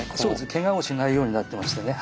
けがをしないようになってましてね。